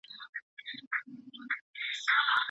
ولي محنتي ځوان د لایق کس په پرتله لوړ مقام نیسي؟